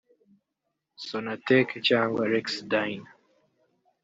sonatec cyangwa rexe-dine)